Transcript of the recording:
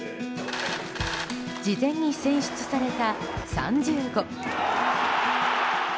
事前に選出された３０語。